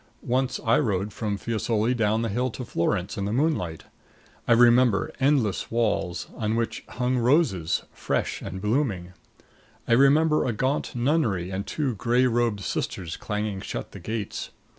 Once I rode from Fiesole down the hill to Florence in the moonlight. I remember endless walls on which hung roses, fresh and blooming. I remember a gaunt nunnery and two gray robed sisters clanging shut the gates.